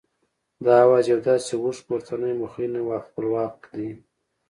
دا آواز یو داسې اوږد پورتنی مخنی خپلواک دی